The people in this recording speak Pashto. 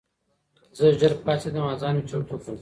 زه ژر پاڅېدم او ځان مې چمتو کړ.